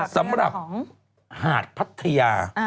สำหรับหาดพัทยา